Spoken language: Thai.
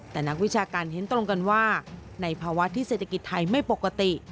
แต่นักวิชาการเห็นตรงกันว่าในภาวะที่เศรษฐกิจไทยไม่ปกติ